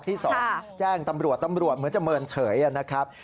คยักที่สองแจ้งตำรวจอ่ะนะครับ